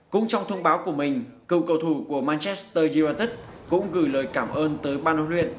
cũng trong thông báo của mình cựu cầu thủ của manchester gioted cũng gửi lời cảm ơn tới ban huấn luyện